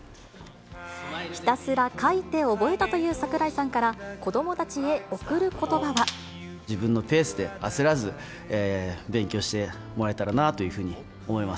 ひたすら書いて覚えたという櫻井さんから、自分のペースで焦らず、勉強してもらえたらなというふうに思います。